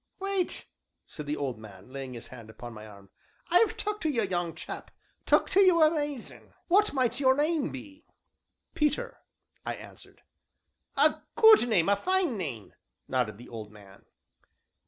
"Wait," said the old man, laying his hand upon my arm, "I've took to you, young chap, took to you amazin'; what might your name be?" "Peter," I answered. "A good name, a fine name," nodded the old man.